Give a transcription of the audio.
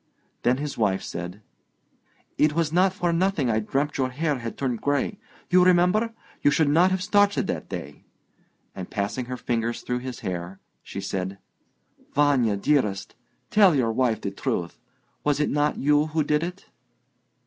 Then his wife said, "It was not for nothing I dreamt your hair had turned grey. You remember? You should not have started that day." And passing her fingers through his hair, she said: "Vanya dearest, tell your wife the truth; was it not you who did it?"